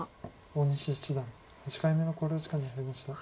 大西七段８回目の考慮時間に入りました。